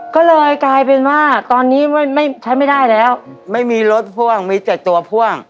ก็เลยกลายเป็นว่าตอนนี้ไม่ไม่ใช้ไม่ได้แล้วไม่มีรถพ่วงมีแต่ตัวพ่วง